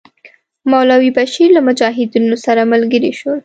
مولوی بشیر له مجاهدینو سره ملګري شول.